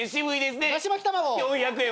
４００円。